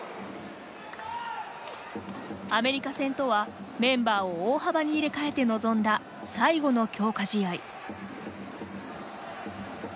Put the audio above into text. アメリカ戦とはメンバーを大幅に入れ替えて臨んだ最後の強化試合。